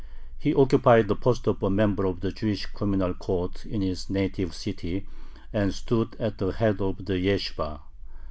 He occupied the post of a member of the Jewish communal court in his native city, and stood at the head of the yeshibah.